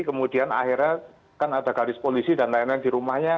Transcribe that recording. kemudian akhirnya kan ada garis polisi dan lain lain di rumahnya